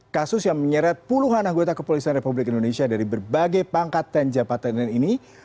kasus yang menyeret puluhan anggota kepolisian republik indonesia dari berbagai pangkat dan jabatan lain ini